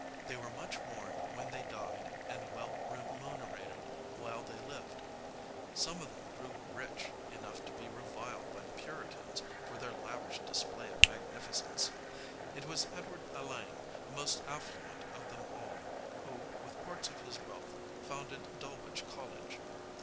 They were much mourned when they died and well remunerated while they lived. Some of them grew rich enough to be reviled by the Puritans for their lavish display of magnificence. It was Edward Alleyne, the most affluent of them all, who, with part of his wealth, founded Dulwich College.